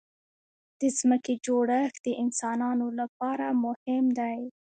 د ځمکې جوړښت د انسانانو لپاره مهم دی.